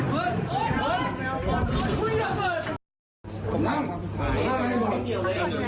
ใครไม่รู้